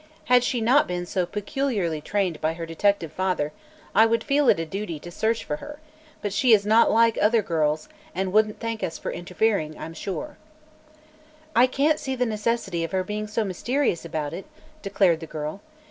Had she not been so peculiarly trained by her detective father I would feel it a duty to search for her, but she is not like other girls and wouldn't thank us for interfering, I'm sure." "I can't see the necessity of her being so mysterious about it," declared the girl.